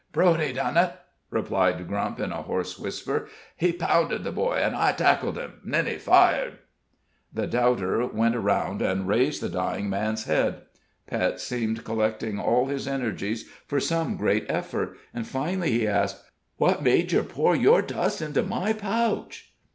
"Broady done it," replied Grump, in a hoarse whisper; "he pounded the boy, and I tackled him then he fired." The doubter went around and raised the dying man's head. Pet seemed collecting all his energies for some great effort; finally he asked: "What made you pour your dust into my pouch?"